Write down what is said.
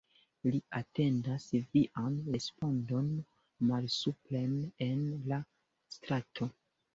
Li atendas vian respondon malsupren en la strato.